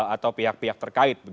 atau pihak pihak terkait